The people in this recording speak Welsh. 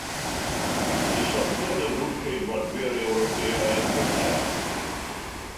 Disodlodd y Grŵp Ceidwadwyr Ewropeaidd cynharach.